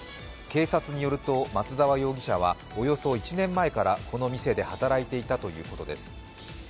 警察によると松沢容疑者はおよそ１年前からこの店で働いていたということです。